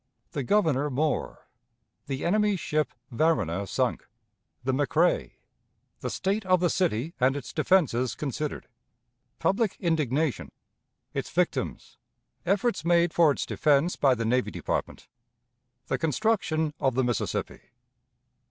The Governor Moore. The Enemy's Ship Varuna sunk. The McRae. The State of the City and its Defenses considered. Public Indignation. Its Victims. Efforts made for its Defense by the Navy Department. The Construction of the Mississippi.